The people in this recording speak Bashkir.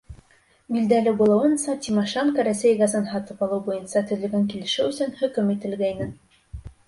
Билдәле булыуынса, Тимошенко Рәсәй газын һатып алыу буйынса төҙөлгән килешеү өсөн хөкөм ителгәйне.